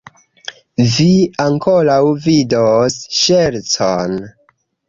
Vi ankoraŭ vidos ŝercon!